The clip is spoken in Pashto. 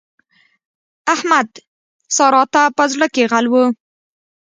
احمد؛ سارا ته په زړ کې غل وو.